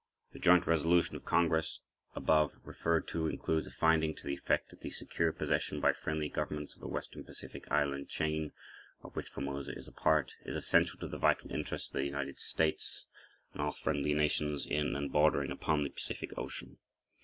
The joint resolution of Congress, above referred to, includes a finding to the effect that "the secure possession by friendly governments of the western Pacific island chain, of which Formosa is a part, is essential to the vital interests of the United States and all friendly nations in and bordering upon the Pacific Ocean."